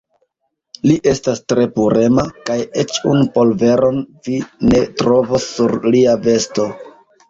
Li estas tre purema, kaj eĉ unu polveron vi ne trovos sur lia vesto.